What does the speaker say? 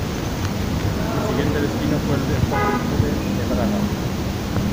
Su siguiente destino fue el Sporting Clube de Braga.